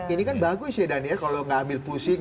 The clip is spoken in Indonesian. ini kan bagus ya daniel kalau nggak ambil pusing